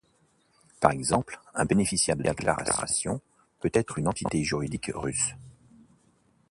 Par exemple, un bénéficiaire de déclaration peut être une entité juridique russe.